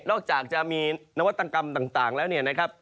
อกจากจะมีนวัตกรรมต่างแล้วเนี่ยนะครับ